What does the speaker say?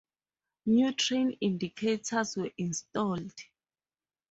New train indicators were installed.